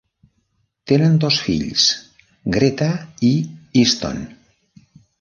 Tenen dos fills, Greta i Easton.